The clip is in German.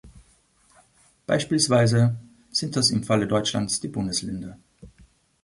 Beispielsweise sind das im Falle Deutschlands die Bundesländer.